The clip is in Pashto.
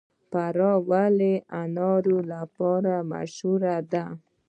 فراه ولې د انارو لپاره مشهوره ده؟